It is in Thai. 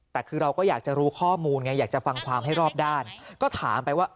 แต่คือเราก็อยากจะรู้ข้อมูลไงอยากจะฟังความให้รอบด้านก็ถามไปว่า